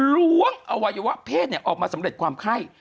ล้วงอวัยวะเพศออกมาสำเร็จความไข้